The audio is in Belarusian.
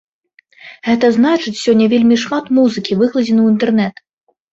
Гэта значыць, сёння вельмі шмат музыкі выкладзена ў інтэрнэт.